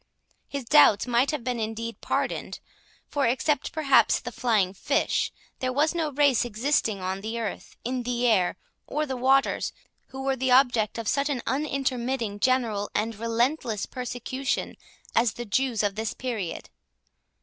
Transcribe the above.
His doubts might have been indeed pardoned; for, except perhaps the flying fish, there was no race existing on the earth, in the air, or the waters, who were the object of such an unintermitting, general, and relentless persecution as the Jews of this period.